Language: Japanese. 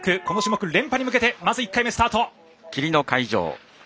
この種目連覇に向けてまず１回目スタート。